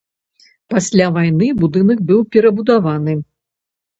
Пасля вайны будынак быў перабудаваны.